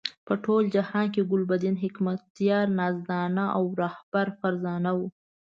په ټول جهاد کې ګلبدین حکمتیار نازدانه او رهبر فرزانه وو.